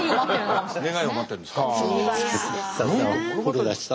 願いを待ってるんですか。